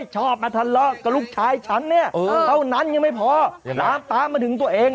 ชอบมาทัลลอกกับลูกชายฉันเท่านั้นยังไม่พอล้ามตามมาถึงตัวเอง